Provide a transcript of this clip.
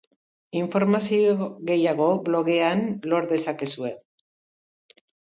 Informazio gehiago blogean lor dezakezue.